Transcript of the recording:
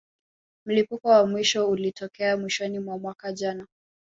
Mlipuko wa mwisho ulitokea mwishoni mwa mwaka jana